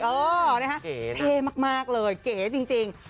เออนะคะเท่มากเลยเก๋จริง